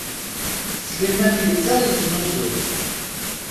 Sliman yettaɣ yeznuzu.